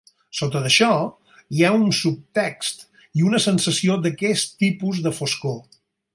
Sota d'això, hi ha un subtext i una sensació d'aquest tipus de foscor.